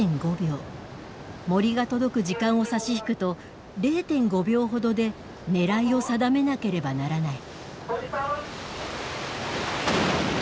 もりが届く時間を差し引くと０．５秒ほどで狙いを定めなければならない。